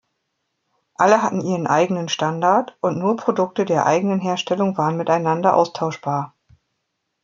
Alle hatten ihren eigenen Standard und nur Produkte der eigenen Herstellung waren miteinander austauschbar.